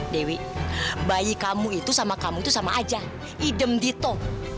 dewi bayi kamu itu sama kamu itu sama aja idem dito